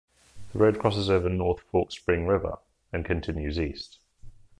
The road crosses over North Fork Spring River and continues east.